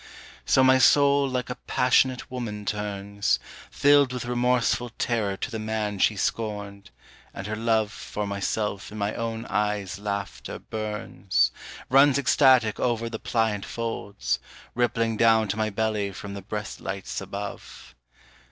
So my soul like a passionate woman turns, Filled with remorseful terror to the man she scorned, and her love For myself in my own eyes' laughter burns, Runs ecstatic over the pliant folds rippling down to my belly from the breast lights above.